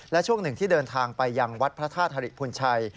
และช่วงหนึ่งที่เดินทางไปยังวัดพระธาตุธริพุนชัย